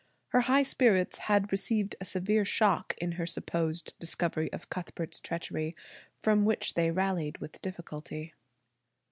Her high spirits had received a severe shock in her supposed discovery of Cuthbert's treachery, from which they rallied with difficulty.